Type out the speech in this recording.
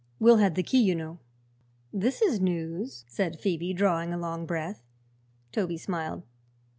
Will had the key, you know." "This is news," said Phoebe, drawing a long breath. Toby smiled.